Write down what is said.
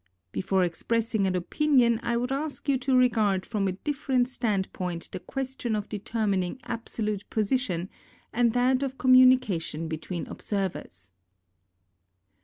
Before expressing an opinion I would ask you to regard from a different standpoint the question of determining absolute position, and that of communica tion between observers.